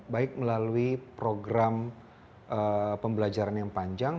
baik melalui program pembelajaran yang panjang